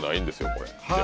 これ。